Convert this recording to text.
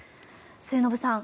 末延さん